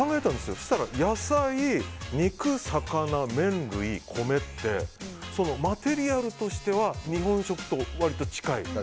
そうしたら野菜、肉、魚、麺類、米ってマテリアルとしては日本食と割と近い。